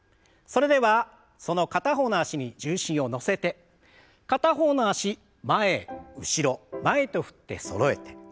それではその片方の脚に重心を乗せて片方の脚前後ろ前と振ってそろえて。